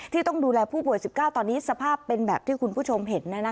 ที่ต้องดูแลผู้ป่วย๑๙ตอนนี้สภาพเป็นแบบที่คุณผู้ชมเห็น